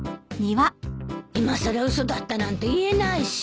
いまさら嘘だったなんて言えないし。